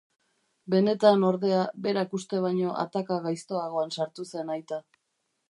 Benetan, ordea, berak uste baino ataka gaiztoagoan sartu zen aita.